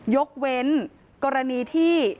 ยกเว้นกรณีที่